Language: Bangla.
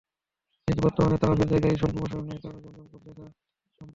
কিন্তু বর্তমানে তাওয়াফের জায়গা সম্প্রসারণের কারণে জমজম কূপ দেখা সম্ভব নয়।